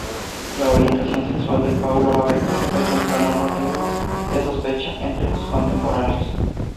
La orientación sexual de Paulo Barreto fue temprano motivo de sospecha entre sus contemporáneos.